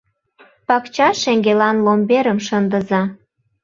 Пакча шеҥгелан ломберым шындыза.